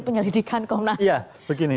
penyelidikan komnas ham ya begini